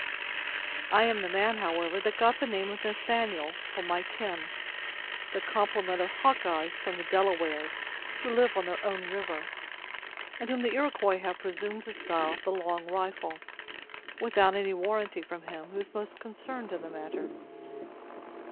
I am the man, however, that got the name of Nathaniel from my kin; the compliment of Hawkeye from the Delawares, who live on their own river; and whom the Iroquois have presumed to style the 'Long Rifle', without any warranty from him who is most concerned in the matter."